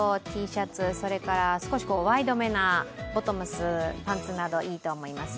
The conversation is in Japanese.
Ｔシャツ、少しワイド目なボトムス、パンツがいいと思います。